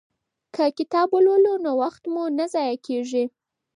که کتاب ولولو نو وخت مو نه ضایع کیږي.